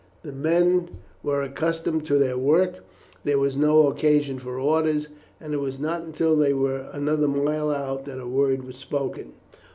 The men were accustomed to their work; there was no occasion for orders, and it was not until they were another mile out that a word was spoken.